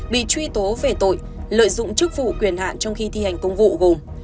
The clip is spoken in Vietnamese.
bị truy tố về tội lợi dụng chức vụ quyền hạn trong khi thi hành công vụ gồm